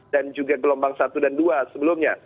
juga gelombang satu dan dua sebelumnya